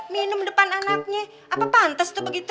minum depan anaknya apa pantas tuh begitu